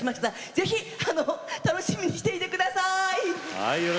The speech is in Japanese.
ぜひ楽しみにしていてください。